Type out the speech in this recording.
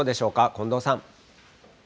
近藤さん。